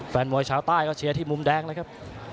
แฟนมวยชาวใต้ก็เชียร์ที่มุมแดงเลยครับ